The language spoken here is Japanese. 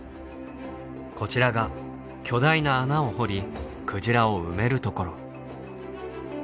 こちらが巨大な穴を掘りクジラを埋めるところ。